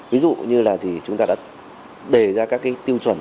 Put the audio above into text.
ví dụ như là gì chúng ta đã đề ra các cái tiêu chuẩn